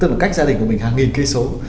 tức là cách gia đình của mình hàng nghìn km